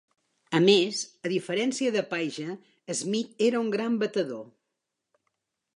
A més, a diferència de Paige, Smith era un gran batedor.